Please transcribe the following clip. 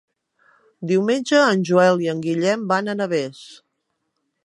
Diumenge en Joel i en Guillem van a Navès.